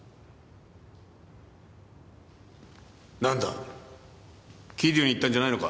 なんだ桐生に行ったんじゃないのか？